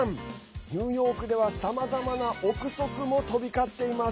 ニューヨークではさまざまな憶測も飛び交っています。